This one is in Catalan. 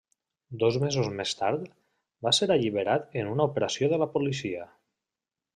Dos mesos més tard, va ser alliberat en una operació de la policia.